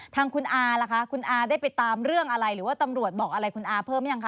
ทางคุณอาล่ะคะคุณอาได้ไปตามเรื่องอะไรหรือว่าตำรวจบอกอะไรคุณอาเพิ่มยังค